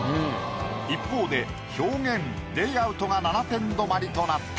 一方で表現・レイアウトが７点止まりとなった。